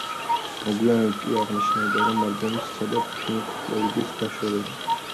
მოგვიანებით იგი აღნიშნავდა, რომ ალბომით სცადა პინკ ფლოიდთან დაშორება.